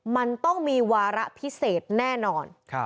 มันต้องมีวาระพิเศษแน่นอน